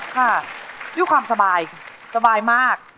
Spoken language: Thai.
ค่ะด้วยความสบายสบายมาก